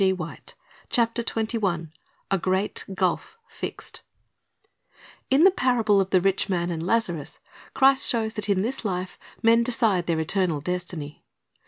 5 : 30 2 i John 5 : 11, 12 'A Great Gulf Fixed" TN the parable of the rich man and Lazarus, Christ shows that in this hfe men decide their eternal destiny.